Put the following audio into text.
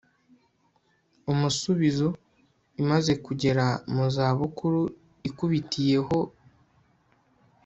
umusubizo; imaze kugera mu za bukuru, ikubitiyeho